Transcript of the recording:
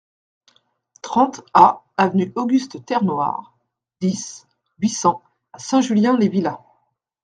trente A avenue Auguste Terrenoire, dix, huit cents à Saint-Julien-les-Villas